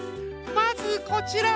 まずこちら。